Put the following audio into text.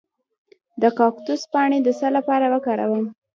د کاکتوس پاڼې د څه لپاره وکاروم؟